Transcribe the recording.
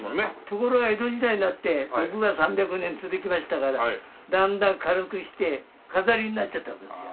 ところが江戸時代になって徳川３００年続きましたからだんだん軽くして飾りになっちゃったわけですよ。